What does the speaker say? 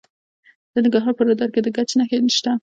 د ننګرهار په روداتو کې د ګچ نښې شته.